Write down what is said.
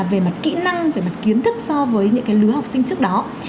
về mặt kỹ năng về mặt kiến thức so với những cái lứa học sinh trước đó